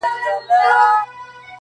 نوم چي د ښکلا اخلي بس ته به یې؛